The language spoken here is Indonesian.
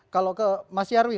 kalau ke mas yarwi